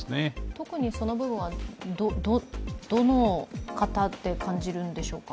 特にその部分はどの方と感じるんでしょうか？